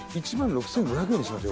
１万６，５００円。